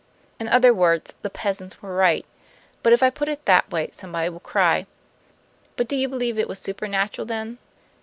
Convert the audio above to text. In other words, the peasants were right. But if I put it that way, somebody will cry: 'But do you believe it was supernatural then?